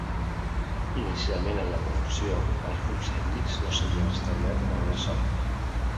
Inicialment en la producció, els grups ètnics no s'havien establert de manera sòlida.